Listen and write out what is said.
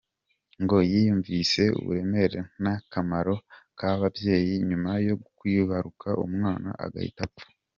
Ngo yiyumvise uburemere n’akamaro k’ababyeyi nyuma yo kwibaruka umwana agahita apfa.